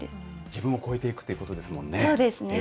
自分を超えていくってことですもんね。